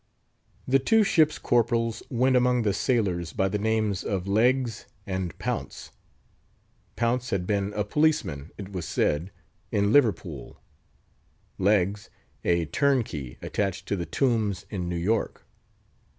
The two ship's corporals went among the sailors by the names of Leggs and Pounce; Pounce had been a policeman, it was said, in Liverpool; Leggs, a turnkey attached to "The Tombs" in New York.